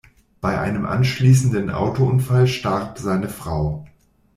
Bei einem anschließenden Autounfall starb seine Frau.